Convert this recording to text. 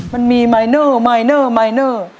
มันมีมายเนอร์มายเนอร์มายเนอร์